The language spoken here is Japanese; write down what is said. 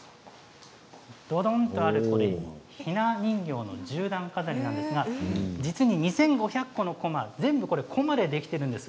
どどんとあるのがひな人形の十段飾りなんですが２５００個のこま全部こまでできているんです。